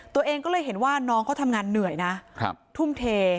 ตัวเองก็เลยเห็นว่าน้องเขาทำงานเหนื่อยนะทุ่มเท